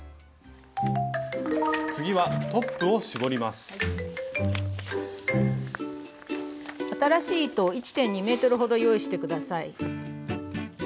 次は新しい糸を１．２ｍほど用意して下さい。